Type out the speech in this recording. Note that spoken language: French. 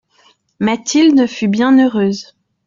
Mathilde fut bien heureuse.